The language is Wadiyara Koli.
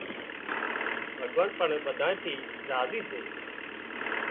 ڀڳوان پڻ ٻڌانئي ٿي راضي سي